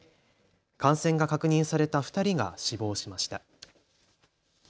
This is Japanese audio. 感染が確認された２人が死亡しました。